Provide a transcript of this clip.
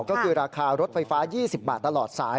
ก็คือราคารถไฟฟ้า๒๐บาทตลอดสาย